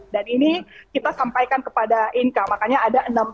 dan ini kita sampaikan kepada inka makanya ada enam belas